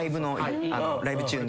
ライブ中に。